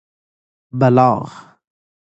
بلاغ